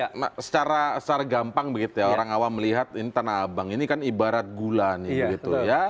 kan kalau kita lihat secara gampang begitu ya orang awam melihat ini tanah abang ini kan ibarat gulan gitu ya